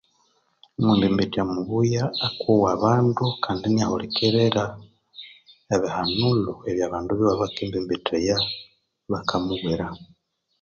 Omwembembetya mubuya akowa abandu kandi inyahulikirira ibihanulho abandu biwe abakembembethata bakamubwira